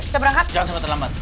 jangan sampai terlambat